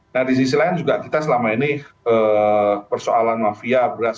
nah di sisi lain juga kita selama ini persoalan mafia beras